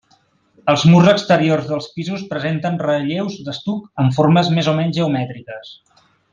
Els murs exteriors dels pisos presenten relleus d'estuc amb formes més o menys geomètriques.